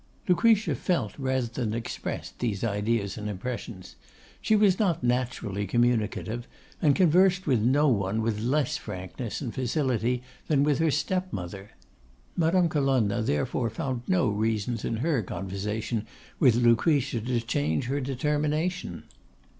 Lucretia felt rather than expressed these ideas and impressions. She was not naturally communicative, and conversed with no one with less frankness and facility than with her step mother. Madame Colonna therefore found no reasons in her conversation with Lucretia to change her determination.